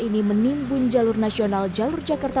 di sana di mana kak